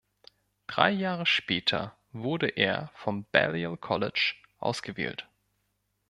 Drei Jahre später wurde er vom Balliol College ausgewählt.